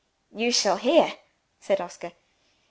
"You shall hear," said Oscar.